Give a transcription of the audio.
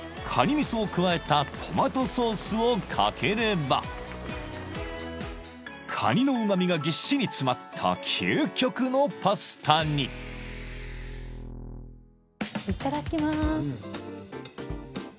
味噌を加えたトマトソースをかければカニのうま味がぎっしり詰まった究極のパスタに］いただきます。